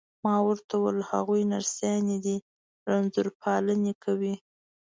ما ورته وویل: هغوی نرسانې دي، رنځور پالني کوي.